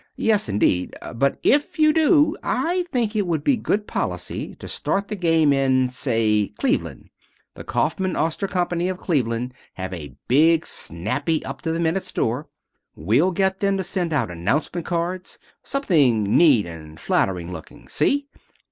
Yes, indeed. But if you do, I think it would be good policy to start the game in say Cleveland. The Kaufman Oster Company of Cleveland have a big, snappy, up to the minute store. We'll get them to send out announcement cards. Something neat and flattering looking. See?